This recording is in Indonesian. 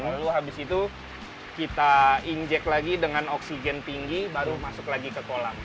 lalu habis itu kita inject lagi dengan oksigen tinggi baru masuk lagi ke kolam